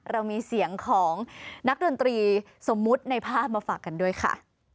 เรามีเสียงของนักดนตรีสมมุติในภาพมาฝากกันด้วยค่ะ